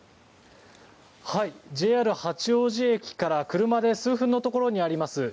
ＪＲ八王子駅から車で数分のところにあります